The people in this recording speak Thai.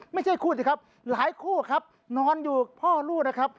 ไม่ใช่คู่สิครับหลายคู่ครับนอนอยู่พ่อลูกนะครับ